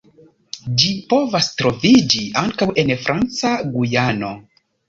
Ĝi povas troviĝi ankaŭ en Franca Gujano.